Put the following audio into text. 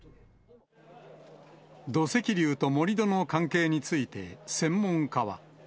土石流と盛り土の関係について、専門家は。